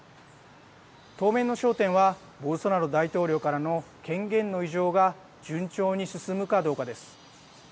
当面の焦点はボルソナロ大統領からの権限の委譲が順調に進むかどうかです。